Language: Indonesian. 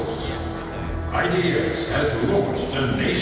untuk mengajak masyarakat